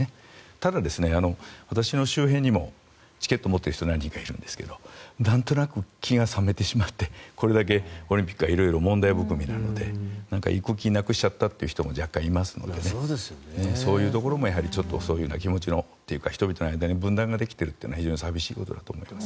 ただ、私の周辺にもチケットを持っている人が何人かいるんですけど何となく、気が冷めてしまってこれだけオリンピックがいろいろ問題含みなので行く気なくしちゃった人も若干いますのでそういうところの気持ちも人々の間に分断ができているというのは非常にさみしいことだと思います。